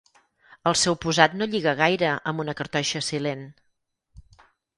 El seu posat no lliga gaire amb una cartoixa silent.